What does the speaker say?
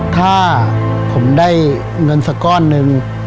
ถ้าผมได้เงินสักก้อนหนึ่ง